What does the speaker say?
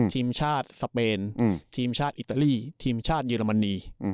ทีมชาติสเปนทีมชาติอิตาลีทีมชาติเยอรมนี